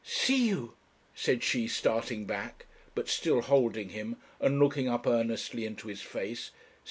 'See you!' said she, starting back, but still holding him and looking up earnestly into his face.